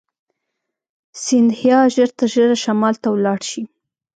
سیندهیا ژر تر ژره شمال ته ولاړ شي.